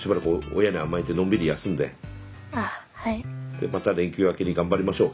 でまた連休明けに頑張りましょう。